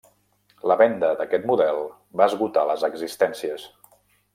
La venda d'aquest model va esgotar les existències.